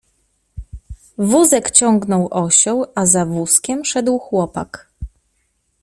Wózek ciągnął osioł, a za wózkiem szedł chłopak.